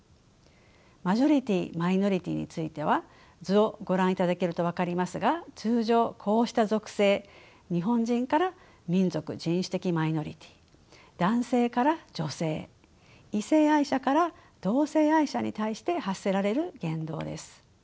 マジョリティーマイノリティーについては図をご覧いただけると分かりますが通常こうした属性日本人から民族人種的マイノリティー男性から女性異性愛者から同性愛者に対して発せられる言動です。